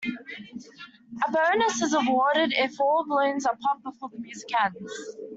A bonus is awarded if all the balloons are popped before the music ends.